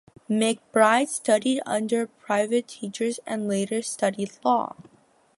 McBryde studied under private teachers and later studied law.